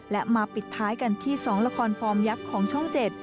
และมาปิดท้ายกันที่๒ละครฟอร์มยักษ์ของช่องเจ็ด